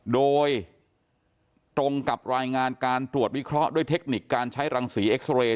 โดยตรงกับรายงานการตรวจวิเคราะห์ด้วยเทคนิคการใช้รังสีเอ็กซอเรย์